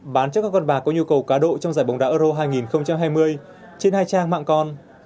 bán cho các con bạc có nhu cầu cá độ trong giải bóng đá euro hai nghìn hai mươi trên hai trang mạng con